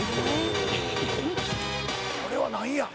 これは何や？